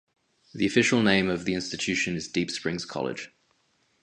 The official name of the institution is Deep Springs College.